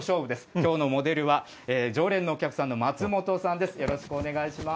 きょうのモデルは常連のお客さんの松本さんです。